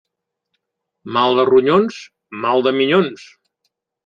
Mal de ronyons, mal de minyons.